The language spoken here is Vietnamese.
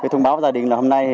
thông báo gia đình là hôm nay